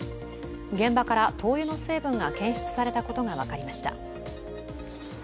現場から灯油の成分が検出されたことが分かりました。